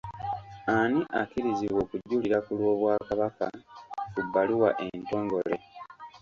Ani akkirizibwa okujulira ku lw’Obwakabaka ku bbaluwa entongole?